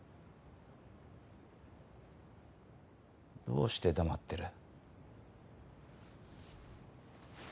どうして黙ってる？